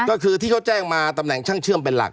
ก็คือที่เขาแจ้งมาตำแหน่งช่างเชื่อมเป็นหลัก